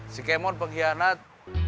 si kemon pengkhianat